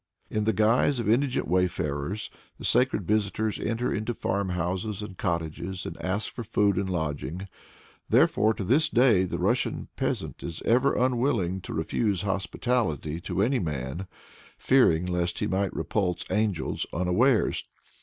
In the guise of indigent wayfarers, the sacred visitors enter into farm houses and cottages and ask for food and lodging; therefore to this day the Russian peasant is ever unwilling to refuse hospitality to any man, fearing lest he might repulse angels unawares.